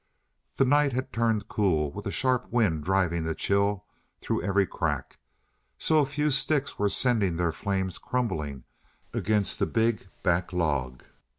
The night had turned cool, with a sharp wind driving the chill through every crack; so a few sticks were sending their flames crumbling against the big back log.